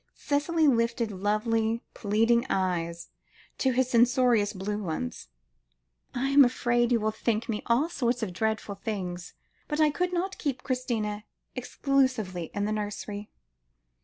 Cicely lifted lovely pleading eyes to his censorious blue ones. "I am afraid you will think me all sorts of dreadful things, but I could not keep Christina exclusively in the nursery.